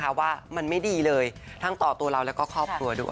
เพราะว่ามันไม่ดีเลยทั้งต่อตัวเราแล้วก็ครอบครัวด้วย